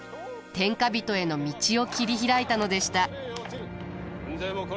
天下人への道を切り開いたのでした。